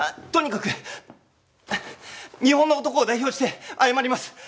とにかく日本の男を代表して謝ります。